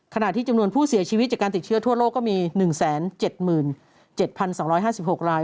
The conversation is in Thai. ขณะที่จำนวนผู้เสียชีวิตจากการติดเชื้อทั่วโลกก็มี๑๗๗๒๕๖ราย